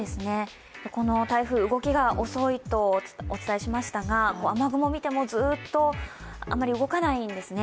この台風、動きが遅いとお伝えしましたが雨雲を見てもずっとあまり動かないんですね。